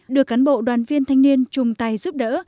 được cán bộ đoàn viên thanh niên chung tay giúp đỡ